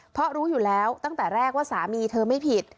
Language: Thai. เพราะรู้อยู่แล้วตั้งแต่แรกว่าสามีเธอไม่ผิด